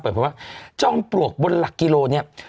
บอกว่าจอมปลวกบนหลักกิโลนี้